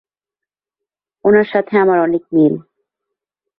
ওনার সাথে আমার অনেক মিল।